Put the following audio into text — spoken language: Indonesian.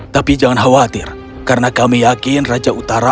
tapi jangan khawatir karena kami yakin raja utara